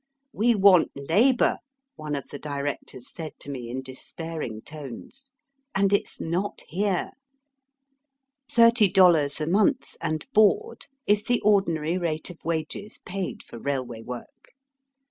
*' We want labour," one of the directors said to me in despairing tones, ''and it's not here.'' Thirty dollars a month and board is the ordinary rate of wages paid for railway work.